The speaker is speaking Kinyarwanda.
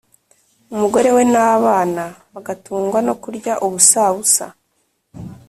umugore we n'abana bagatungwa no kurya ubusabusa